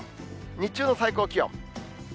日中の最高気温。